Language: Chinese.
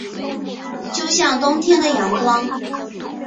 就像冬天的阳光